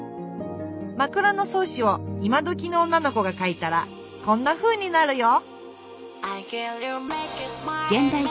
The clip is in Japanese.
「枕草子」を今どきの女の子が書いたらこんなふうになるよ。